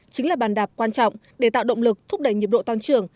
chính là bàn đạp quan trọng để tạo động lực thúc đẩy nhiệm độ tăng trưởng